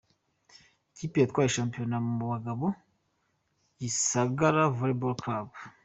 Ikipe yatwaye shampiyona mu bagabo: Gisagara Volleyball Club.